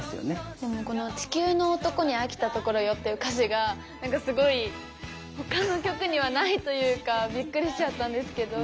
でもこの「地球の男にあきたところよ」っていう歌詞がなんかすごい他の曲にはないというかびっくりしちゃったんですけど。